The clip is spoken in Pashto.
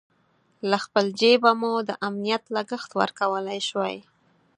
له خپل جېبه مو د امنیت لګښت ورکولای شوای.